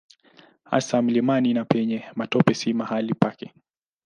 Hasa mlimani na penye matope si mahali pake.